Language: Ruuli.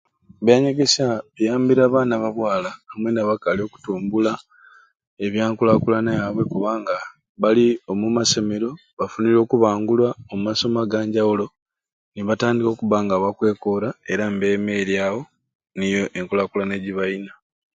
Ebyanyegesya biyambire abaana ba bwala amwei n'abakali okutumbula ebyankulakulana yabwe kubanga bali omu masomero bafunire okubangulwa omu masomo aganjawulo ne batandika okubba nga bakwekora era ne bemeryawo enkulakulana eyo gyebalina.